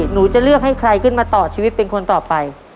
หนูจะเลือกให้ใครขึ้นมาต่อชีวิตเป็นคนต่อไป